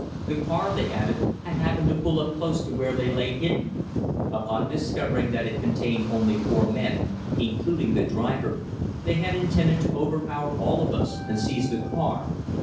The car, they added, had happened to pull up close to where they lay hidden. Upon discovering that it contained only four men, including the driver, they had intended to overpower all of us and seize the car.